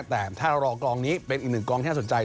แต่ถ้ารอกองนี้เป็นอีกหนึ่งกองที่น่าสนใจ